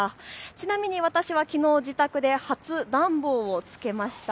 ちなみに私はきのう自宅で初暖房をつけました。